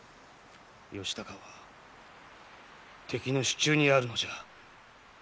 義高は敵の手中にあるのじゃ。